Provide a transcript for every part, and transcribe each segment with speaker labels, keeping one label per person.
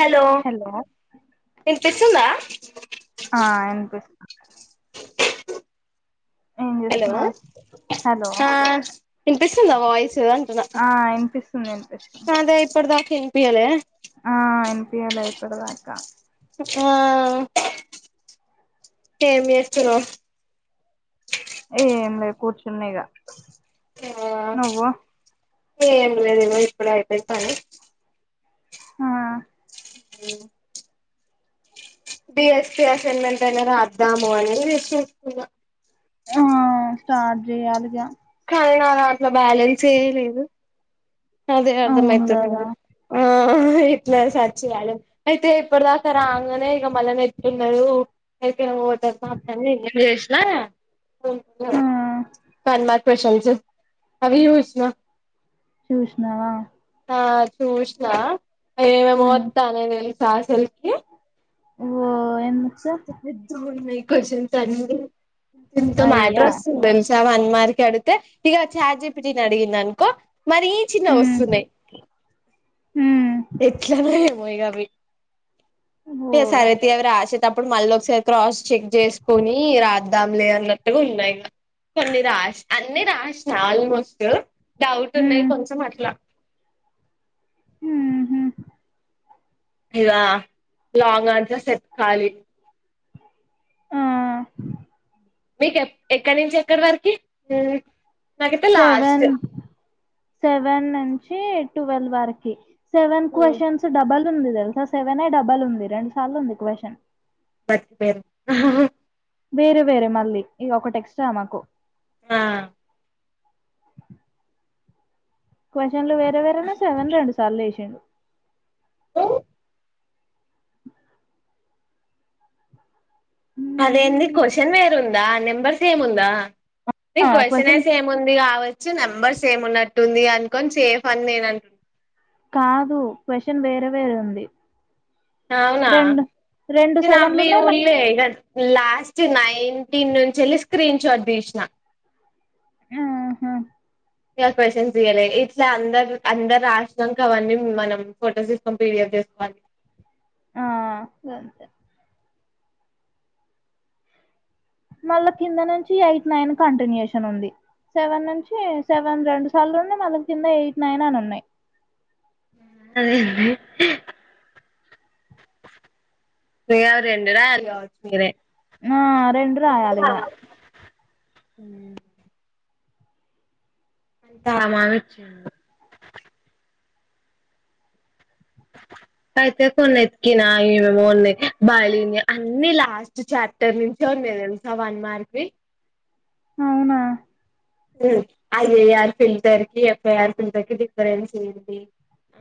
Speaker 1: Hello వినిపిస్తుందా
Speaker 2: ఆ ఇనిపిస్త్ ఆ
Speaker 1: హలో ఆ ఇనిపిస్తుందా వాయిసు అంటున
Speaker 2: ఆ వినిపిస్తుంది వినిపిస్తుంది
Speaker 1: సరే ఇప్పటిదాక ఇనిపియ్యలే
Speaker 2: ఆ ఇనిపియ్యలే ఇప్పటిదాకా
Speaker 1: ఎంచేస్తునవ్
Speaker 2: ఏంలే కూర్చున్నిగ
Speaker 1: ఆ ఏం లేదు ఇగో ఇప్పుడే అయిపోయింది పని
Speaker 2: ఆహ్
Speaker 1: అ డిఎస్పి అసైన్మెంట్ అయినా రాద్దాము అని ఇగ చేసుకున్న
Speaker 2: ఆహ్ స్టార్ట్ చేయాలిగా
Speaker 1: అయిన నాదాంట్ల బ్యాలెన్స్సే లేదు అదే
Speaker 2: అవును
Speaker 1: అర్ధమయిత లేదు
Speaker 2: కదా
Speaker 1: ఆహ్ ఇట్లా సర్చ్ చేయాలి అయితే ఇప్పటిదాకా రాగానే ఇక మళ్ళ ఇగ నెట్ ఉండదు అయిపే ఓటర్ కార్డులన్నీ నిన్ననే చేసిన
Speaker 2: ఆ
Speaker 1: వన్ మార్క్ క్యూషన్స్ అవి చూసిన
Speaker 2: చూశ్నవా
Speaker 1: ఆ చూసిన ఏమే
Speaker 2: ఉమ్
Speaker 1: ఒత్తనాయి తెలుసా అసల్ కీ
Speaker 2: ఓ ఎందుకు
Speaker 1: పెద్దగున్నాయి క్యూస్టన్స్ అన్ని ఎంత మ్యాటర్
Speaker 2: అయ్యా
Speaker 1: ఒస్తుంది తెల్సా అవన్ మార్ అడుగుతే ఇగ చాట్ జీపీటి నీ అడిగిన్నన్కో మరి ఏ చిన్న
Speaker 2: ఉమ్
Speaker 1: గోస్తున్నాయి
Speaker 2: ఉమ్
Speaker 1: ఎట్లా నో ఏమో ఇగ అవ్వి
Speaker 2: ఓ
Speaker 1: ఇగ సరేతీ అవి రాసే టప్పుడు మల్లోకసారి క్రాస్ చెక్ చేసుకుని రాద్దాంలే అన్నట్టుగా ఉన్నా ఇగ కొన్ని రాష్ అన్ని రాష్నా ఆల్మోస్ట్ డౌట్ ఉన్నాయి
Speaker 2: ఉమ్
Speaker 1: కొంచెం అట్లా
Speaker 2: హ్మ్
Speaker 1: ఇగా లాంగ్ ఆన్సర్ ఏత్కలి
Speaker 2: ఆ
Speaker 1: మీక్ ఎక్ ఎక్కడి నుంచి ఎక్కడి వరకి నాకైతే లాస్ట్
Speaker 2: సెవెన్ సెవెన్ నుంచి ట్వెల్వ్ వరకి సెవెన్
Speaker 1: మ్మ్
Speaker 2: క్వ్చన్స్ డబల్ ఉంది తెలుసా సెవెనే డబల్ ఉంది రెండు సార్లుంది క్వశ్చన్
Speaker 1: బతికిపోయిరు హ్ హ్
Speaker 2: వేరే వేరే మళ్ళీ ఇగ ఒకటెక్స్ట్ మాకు
Speaker 1: ఆ
Speaker 2: క్వశ్చన్లు వేరేవేరేనే సవెన్ రెడు సార్లు ఏసిండు
Speaker 1: అదేంది క్వ్చన్ వేరు ఉందా నెంబర్ సేమ్ ఉందా
Speaker 2: ఆ
Speaker 1: నెన్ క్వ్చన్ ఏ
Speaker 2: క్వశ్చన్
Speaker 1: సేమ్ ఉంది కావచ్ చ్చు నెంబర్స్ సేమ్ ఉన్నట్టుంది అనుకొని సేఫ్ అని నేను అం
Speaker 2: కాదు క్వశ్చన్ వేరే వేరే ఉంది
Speaker 1: అవునా
Speaker 2: రెండు రెండు
Speaker 1: నెన్
Speaker 2: సెవెన్లు
Speaker 1: అవ్వీ
Speaker 2: ఉన్నాయి
Speaker 1: చుడ్లే ఇగ లాస్ట్ నైన్టీన్ నుంచేళ్ళి స్క్రీన్ షాట్ తీసిన
Speaker 2: ఆహా
Speaker 1: ఇగా క్వశ్చన్స్ తీయలే ఇట్లా అందరు అందరు రాశినంకా అవన్నీ మనం ఫొటోస్ తీసుకొని పిడిఫ్ చేసుకో
Speaker 2: ఆ గంతే మళ్ళా కింద నుంచి ఎయిట్ నైన్ కంటిన్యూయేషన్ ఉంది సెవెన్ నుంచి సెవెన్ రెండు సార్లు ఉండి మళ్ళ కింద ఎయిట్ నైన్ అని ఉన్నాయి
Speaker 1: ఉహు హ్ ఇగ అవి రెండు రాయాలి కావొచ్చు మీరే
Speaker 2: ఆ రెండు రాయాలిగా
Speaker 1: హ అంతమాగమం వెట్టిండ్ అయితే కొన్ని ఎతికినా ఏమేమోనయి బైలీనియర్ అన్ని లాస్ట్ చాప్టర్ నుంచి లేదంతా వన్ మారపీ
Speaker 2: అవునా
Speaker 1: ఉ ఐఐఆర్ ఫిల్టర్ కి, ఎఫ్ఐఆర్ ఫిల్టర్ కి డిఫరెన్స్ ఇయింది.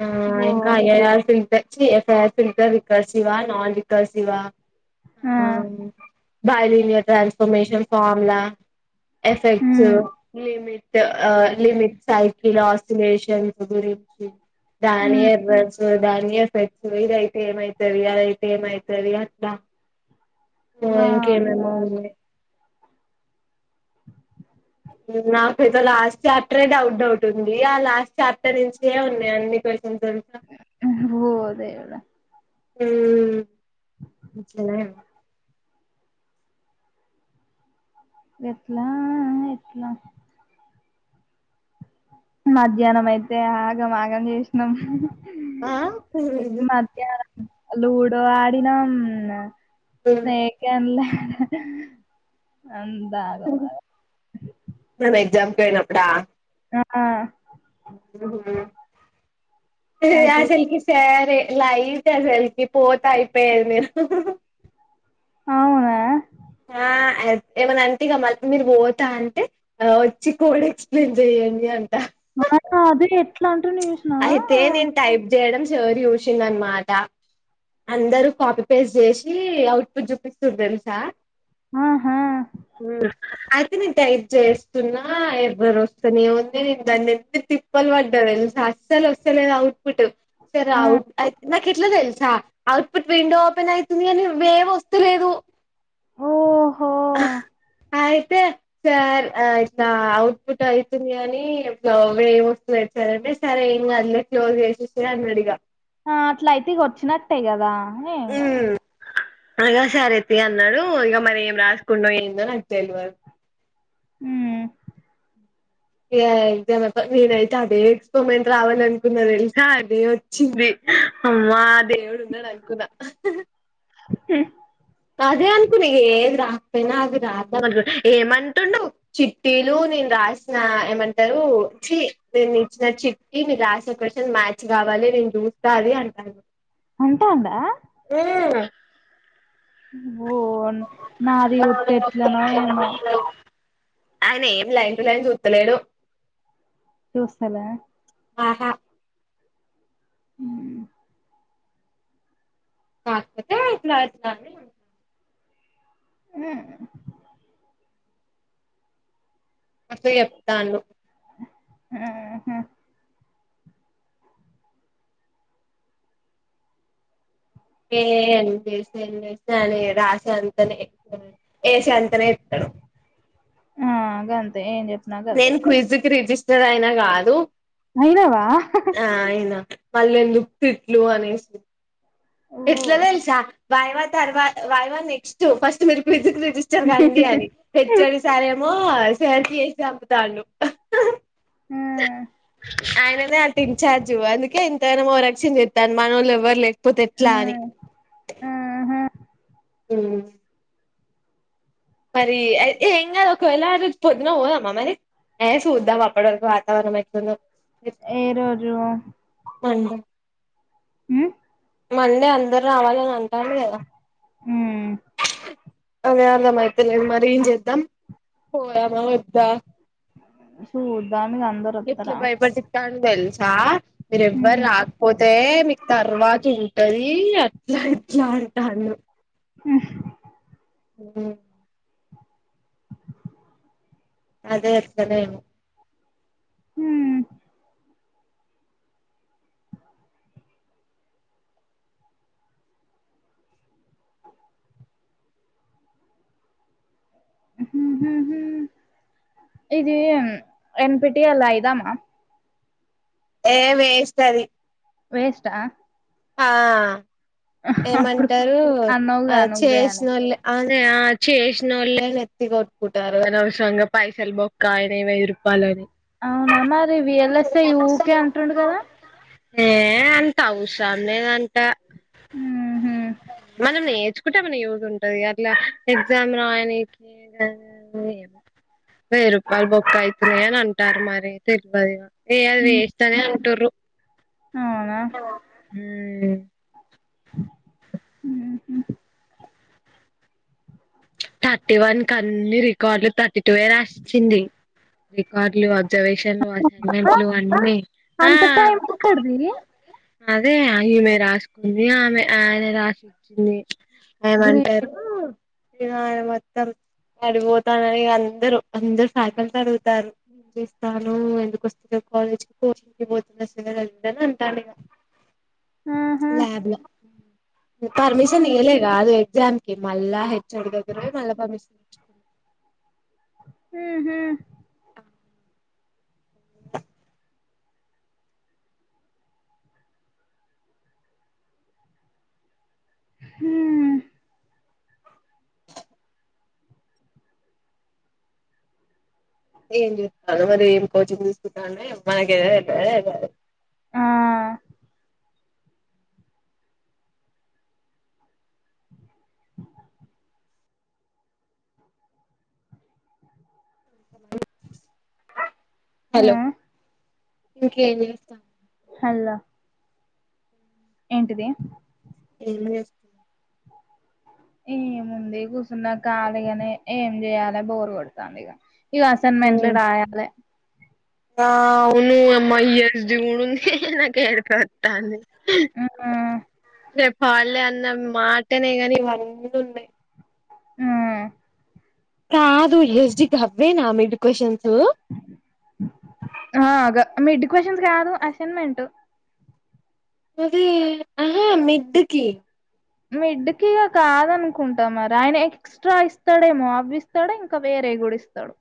Speaker 1: ఆ
Speaker 2: ఓ
Speaker 1: ఇంకా అయ్యాయాలతి దేచ్చి ఏఫాఫిగర్ కల్సివా నాన్ వికల్సివా ఆ బలియిండియా transformation formula effects
Speaker 2: um
Speaker 1: limit ఆ లిమిట్ సైకిల్ ఆస్థిలేషన్ గురించి
Speaker 2: ఉమ్
Speaker 1: దానియే ఫ్రెండ్స్ దనీ ఎఫెక్ట్స్ ఇదయితే ఏమయితది అదైతే ఏమయీతది అట్లా ఇగో ఇంకేమేమో
Speaker 2: వామ్మో
Speaker 1: ఉన్నాయ్ నాకైతే లాస్ట్ చాప్టరే డౌట్ డౌట్ ఉంది. ఆ లాస్ట్ చాప్టర్ నుంచే ఉన్నాయి. అన్ని కో
Speaker 2: పిర్హువో దేవుడా
Speaker 1: హు ఇట్లానా
Speaker 2: వెట్లా ఆఆ ఎట్లా మధ్యానమైతే ఆగం ఆగం జేశనం
Speaker 1: ఆఆ
Speaker 2: లూడో ఆడినం మేక్యాన్లే అంతా ఆగమాగం
Speaker 1: వెనప్పుడా
Speaker 2: నాఆ అటు
Speaker 1: అష్టల్కి సార్ తే లైట్ అసల్కి పోతా అయిపోయేది. మీర్
Speaker 2: అవునా
Speaker 1: ఆ అల్ప్ ఏమనంటే ఇగా మల్పమీద పోతా అంటే వచ్చి కోడ్ ఎక్సప్లయిన్ జేయ్ ఏంది అంటా
Speaker 2: మాదా అదే ఎట్లాన్
Speaker 1: అయితే నీన్ టైప్ జేయడం సోర్ చూచిన్డ్ అనమాట అందరు కాపీ పేస్ట్ జేచి అవుట్ పుట్ జూపిస్తూరు దేలుసా
Speaker 2: ఆహా
Speaker 1: తేనిన్ టైట్ చేస్తున్నా ఎరర్ వస్తనే ఉంది. నీన్ దాన్ని ఎంత తీప్ పాల్వడా తెలుసా అసలు వస్తలేదు. అవుట్ ఫిటు సరే
Speaker 2: ఆ
Speaker 1: ఆవుట్ నాకిట్లా తెలుసా అవుట్ ఫుట్ విండో ఓపెన్ అయితుంది గానీ, వేవ్ వస్తలేదు.
Speaker 2: ఓ
Speaker 1: అయితే సార్ ఇట్లా అవుట్ ఫుట్ అయితుంది. గానీ బ్లౌ ఎమ్ వస్త్ రేప్ త్రాడేస్తారే ఎమ్ కాదులే క్లోజ్ జేసేస్తే అనడిగా
Speaker 2: ఆ అట్లైతే ఇగా వచ్చినట్టే కదా హేగాద్
Speaker 1: అగా సరేతియ్ అన్నాడు. ఇగా మరి ఏం రాసుకుండో ఏందో నాకు తెల్వద్
Speaker 2: హుహ్
Speaker 1: ఇగా ఎగ్జామ్ అపై నేనైతే అదే ఎక్స్పోమెంట్ రావాలనుకున్నా తేల్సా అదే వచ్చింది. అవ్వా దేవుడున్నాడానుకున్న అదే అనుకున్న ఇగా ఏది రాకపోయినా అది రాద్దాం అనుకు ఏమంటుండు చిట్టీలు నీన్ రష్నా ఏమంటారు. చీ నీను ఇచ్చిన చిట్టి మీరు రాసిన క్వశ్చన్ మ్యాచ్ గావాలి. నీన్ చూస్తాది అంటాడు.
Speaker 2: అంటందా నాది ఉత్త
Speaker 1: నోదే
Speaker 2: ఎట్లనో
Speaker 1: తేగేది
Speaker 2: ఏమో
Speaker 1: మీదే ఆయన ఏం లైన్ టు లైన్ చూతలేడు.
Speaker 2: చూయుస్తాలే
Speaker 1: ఆహా
Speaker 2: హుహ్
Speaker 1: కాకపోతే ఇక్కడచ్ గానీ
Speaker 2: ఉహ్
Speaker 1: మస్థుగ్ చెప్తాడు
Speaker 2: ఉహు
Speaker 1: ఎలే అని చేస్ ఎన్ని చేసిన అనే రాసే అంతనే, ఏసే అంతనే ఏత్తడు.
Speaker 2: ఆ గంతే ఏం చెప్
Speaker 1: నేను క్విజ్ కి రిజిస్టర్ అయినా కాదు.
Speaker 2: ఐనవా
Speaker 1: మళ్ళీందుకు తిట్లు అనేసి
Speaker 2: ఓ
Speaker 1: ఇట్లతెల్సా వాయివ తర్వాత వాయివ నెక్స్ట్ ఫస్ట్ మీరు ఫ్రిడ్జ్ కి డిస్టర్ కండి అని, హెచ్చడి సారేమో సర్ కి చేసి పంపుతాండు.
Speaker 2: ఉమ్
Speaker 1: ఆయననే అంట ఇంచార్జ్, అందుకే ఇంతగనం మోరక్షన్ ఓవరాక్షన్ చేత్తండు మనోళ్ళు ఎవరు లేకపోతే
Speaker 2: ఆ
Speaker 1: ఇట్లాని
Speaker 2: ఆహా
Speaker 1: ఉమ్ మరి అయితే ఏం కాదు ఒకవేళ అ పొద్దున పోదామ మరి? ఏ సూద్దాం అప్పుడువరకు వాతవరణం ఎట్లుందో.
Speaker 2: ఏరోజు
Speaker 1: అండ
Speaker 2: ఉమ్
Speaker 1: మళ్ళ అందరు రావాలని అంటాల్లు కదా.
Speaker 2: మ్
Speaker 1: అదే అన్న మైథిలి నెంబర్ ఏం చేద్దాం?
Speaker 2: సూద్
Speaker 1: ఎట్ల బయపెట్టి తాండు తెల్స్ రా మీర ఎవ్వరు
Speaker 2: మ్
Speaker 1: రాకపోతే మీకు తర్వాత ఉంటది, అట్లా ఇట్లా అంటాండు.
Speaker 2: ఉహ్
Speaker 1: ఉమ్ అదే ఎట్లానేమో
Speaker 2: హ్మ్ హ ఇది ఏం ఎన్ పి టి ఎల్ ఐదమా?
Speaker 1: ఏ వేస్ట్ అది.
Speaker 2: వాస్టా
Speaker 1: ఆ,
Speaker 2: అప్పుడు
Speaker 1: ఏమంటారు ఆ
Speaker 2: అన్నావుగా నువ్వే అని
Speaker 1: చేసినోల్లే ఆ ఆ చేసినోళ్ళే నెత్తి కొట్టుకుంటారు, అనవసరంగా పైసలు బొక్కా అయినై వెయ్యి రూపాయలు అని.
Speaker 2: అవునా మరి వి ఎల్ ఎస్ ఐ ఊకే అంటుండు కదా.
Speaker 1: ఏ అంతా అవ్సర్ లేదంట.
Speaker 2: ఉహు
Speaker 1: మనం నేర్చుకుంటే ఏమన్న యూజ్ ఉంటది, అట్లా ఎగ్జామ్ రాయనీకి వెయ్యి రూపాయలు బొక్క అయితున్నయని అంటార్రు మరి తెలవది. ఏ వేస్ట్ అది అంటుర్రూ,
Speaker 2: అవునా
Speaker 1: హ్మ్
Speaker 2: ఉహు
Speaker 1: థర్టీ వన్ కన్ని రికార్డులు థర్టీ టూయే రాసిచ్చింది, రికార్డులు వ రిజర్వేషన్లు అసైన్మెంట్లు అన్నీ, ఆ
Speaker 2: అంత టైం ఎక్కడిది
Speaker 1: అదే ఈమె రాసుకుంది ఆమె ఆయన రాసిచ్చింది. ఏమంటారు
Speaker 2: గ్రేట్
Speaker 1: ఏదో మొత్తం అడిపోతాన్రని అందరు అందరు ఫ్యాకల్టీని అడుగుతారు. ఏం చేస్తాను ఎందుకస్తలేవు కాలేజ్ కి పోష పోతుందిసలు కందని అంటాను ఇగ
Speaker 2: ఆహా
Speaker 1: ల్యాబ్ ల పర్మిషన్ ఇయలెగా అది ఎక్సామ్ కి మళ్ళ హెచ్ చోడి దగ్గర వోయ్ మళ్ళ పర్మిషన్
Speaker 2: ఉహు హు
Speaker 1: ఏం చూస్తాను మరి ఏం కోచింగ్ తీసుకుంటా నాకేమో తెల్వదు ఏదో
Speaker 2: ఆ ఆ
Speaker 1: హలో
Speaker 2: హలో ఏంటిది
Speaker 1: ఏం చేస్
Speaker 2: ఏముంది కూర్చున్నా కాలిగానే ఏం చేయాలి బోరు కొడతాంది ఇగ ఇవి అసైన్మెంట్లు రాయాలె
Speaker 1: ఆ అవును యమ ఈ యస్ డి గుడుంది నాకు ఏడ్పు వత్తాంది
Speaker 2: ఆ
Speaker 1: చెప్ హాలిడే అన్న మాటనే గానీ ఇవన్నీ ఉన్నాయి
Speaker 2: ఉమ్
Speaker 1: కాదు ఈ యస్ డి కి హవ్వే నా మీడ్ క్యూషన్స్
Speaker 2: ఆ గ మిడ్డిక్ క్యూషన్స్ కాదు అసైన్మెంట్
Speaker 1: అది ఆహా మిడ్ కి
Speaker 2: మీ మిడ్కి కాదనుకుంటాం మరి ఆయన ఎక్స్ట్రా ఇస్తాడేమో అవి ఇస్తాడ ఇంకా వేరే రే గుడిస్తాడు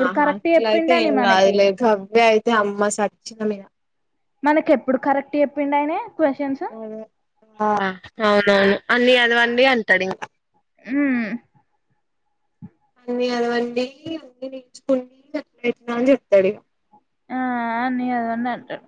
Speaker 1: ఆహా అట్లా అయితే ఏం
Speaker 2: మనకి
Speaker 1: కాదులే గవ్వే అయితే అమ్మ సచ్చినం ఇగ
Speaker 2: మనకి ఎప్పుడు కరెక్ట్ చెప్పిండయిన
Speaker 1: అదే ఆ అవునవును అన్ని చదవండి అంటాడు ఇంకా
Speaker 2: ఉమ్
Speaker 1: అన్నీ చదవండి అన్ని నేర్చుకోండి అట్లా ఇట్ల అని చెప్తాడు ఇక
Speaker 2: ఆ అన్ని చదవండి అంటడు